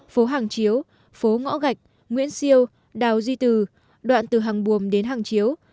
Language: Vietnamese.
phố hàng chiếu phố ngõ gạch nguyễn siêu đào duy từ đoạn từ hàng buồm đến hàng chiếu